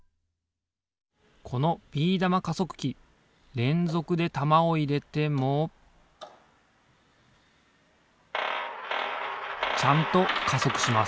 このビー玉加速器れんぞくで玉をいれてもちゃんと加速します